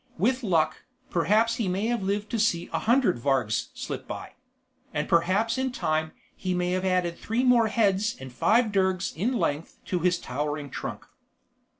With luck, perhaps he may have lived to see a hundred vargs slip by. And perhaps in time he may have added three more heads and five dergs in length to his towering trunk.